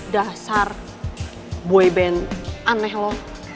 dasar boyband aneh loh